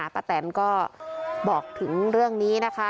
แตนก็บอกถึงเรื่องนี้นะคะ